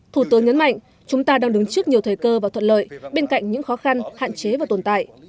thủ tướng nhấn mạnh chúng ta đang đứng trước nhiều thời cơ và thuận lợi bên cạnh những khó khăn hạn chế và tồn tại